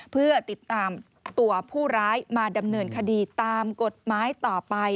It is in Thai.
เพื่อติดตามตัวผู้ร้ายมาดำเนินคดีตามกฎหมายต่อไป